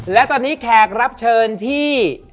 และตอนนี้แขกรับเชิญที่